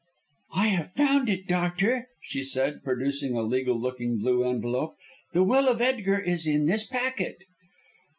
"I have found it, doctor," she said, producing a legal looking blue envelope. "The will of Edgar is in this packet."